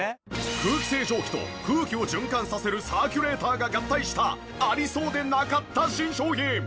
空気清浄機と空気を循環させるサーキュレーターが合体したありそうでなかった新商品。